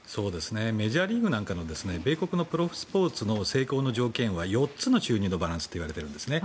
メジャーリーグなんかの米国のプロスポーツの成功の条件は４つのバランスだといわれているんですね。